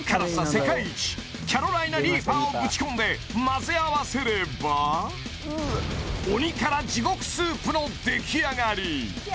世界一キャロライナ・リーパーをぶち込んで混ぜ合わせれば鬼辛地獄スープのできあがり